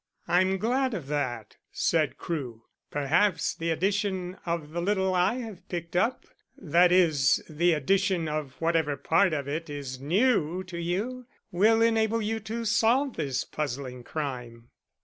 "I am glad of that," said Crewe. "Perhaps the addition of the little I have picked up that is the addition of whatever part of it is new to you will enable you to solve this puzzling crime."